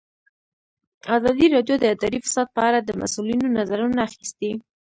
ازادي راډیو د اداري فساد په اړه د مسؤلینو نظرونه اخیستي.